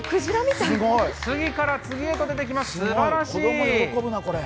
次から次へと出てきます、すばらしい。